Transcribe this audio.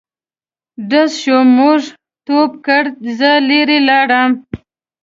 ډز شو موږ ټوپ کړ زه لیري لاړم.